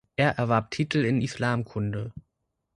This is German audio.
Er erwarb Titel in Islamkunde.